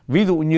ví dụ như